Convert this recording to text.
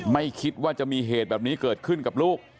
ไม่คิดว่าจะมีเหตุแบบนี้เกิดขึ้นกับลูก